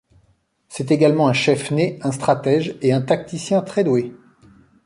C'est également un chef-né, un stratège et un tacticien très doué.